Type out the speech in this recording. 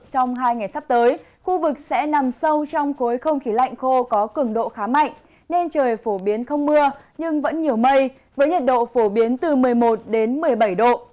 trong hai ngày sắp tới khu vực sẽ nằm sâu trong khối không khí lạnh khô có cường độ khá mạnh nên trời phổ biến không mưa nhưng vẫn nhiều mây với nhiệt độ phổ biến từ một mươi một đến một mươi bảy độ